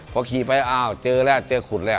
พอขี่ไปเจอแล้วเจอขุด